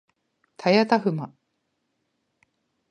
たやたふま